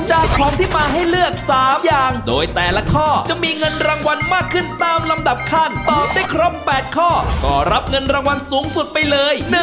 ของที่มาให้เลือก๓อย่างโดยแต่ละข้อจะมีเงินรางวัลมากขึ้นตามลำดับขั้นตอบได้ครบ๘ข้อก็รับเงินรางวัลสูงสุดไปเลย